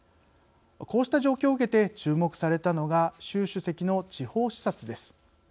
こうした状況を受けて注目されたのが習主席の地方視察です。